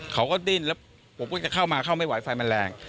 เขาก็ดิ้นแล้วผมก็จะเข้ามาเข้าไม่ไหวไฟมันแรง